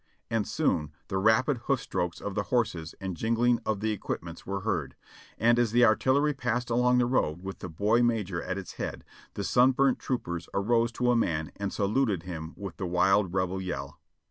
and soon the rapid hoof strokes of the horses and jingling of the equipments were heard; and as the artillery passed along the road with the boy major at its head, the sunburnt troopers arose to a man and saluted him with the wild Rebel yell.